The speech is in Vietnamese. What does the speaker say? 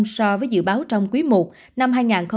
so với dự báo trong quý i năm hai nghìn hai mươi